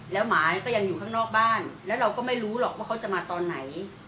แล้วหมาก็ยังอยู่ข้างนอกบ้านแล้วเราก็ไม่รู้หรอกว่าเขาจะมาตอนไหน